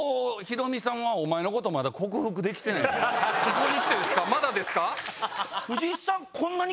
ここに来てですか？